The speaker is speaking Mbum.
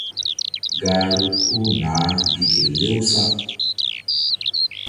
Gahru puh naah gi kelew sa̧.